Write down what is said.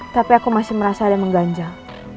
tapi aku masih merasa ada yang mengganjal